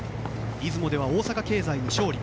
出雲では大阪経済に勝利。